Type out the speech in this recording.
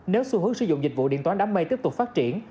nếu xu hướng sử dụng dịch vụ điện toán đám mây tiếp tục phát triển